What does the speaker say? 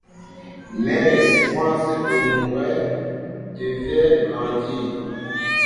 Mais les souffrances de Mouret devaient grandir.